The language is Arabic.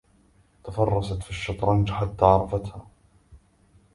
تفرست في الشطرنج حتى عرفتها